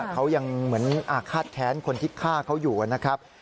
เขายังเหมือนอาฆาตแค้นคนที่ฆ่าเขาอยู่นะครับ